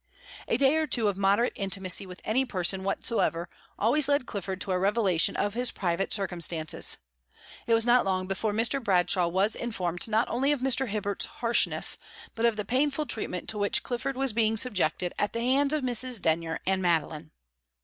A day or two of moderate intimacy with any person whatsoever always led Clifford to a revelation of his private circumstances; it was not long before Mr. Bradshaw was informed not only of Mr. Hibbert's harshness, but of the painful treatment to which Clifford was being subjected at the hands of Mrs. Denyer and Madeline.